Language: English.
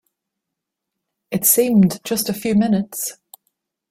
It seemed just a few minutes.